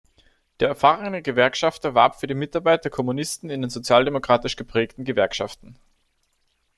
Der erfahrene Gewerkschafter warb für die Mitarbeit der Kommunisten in den sozialdemokratisch geprägten Gewerkschaften.